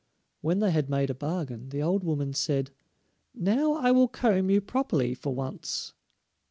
When they had made a bargain the old woman said, "Now I will comb you properly for once."